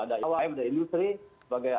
ada ikm dan industri sebagai